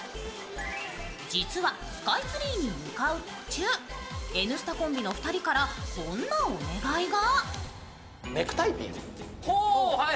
実はスカイツリーに向かう途中、「Ｎスタ」コンビの２人からこんなお願いが。